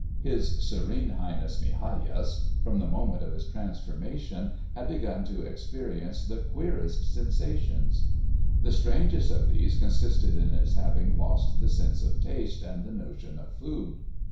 His Serene Highness, Migajas, from the moment of his transformation, had begun to experience the queerest sensations. The strangest of these consisted in his having lost the sense of taste and the notion of food.